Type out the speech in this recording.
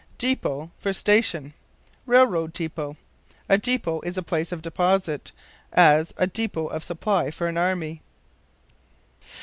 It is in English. Dépôt for Station. "Railroad dépôt." A dépôt is a place of deposit; as, a dépôt of supply for an army.